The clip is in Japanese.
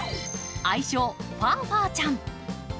愛称・ファーファーちゃん。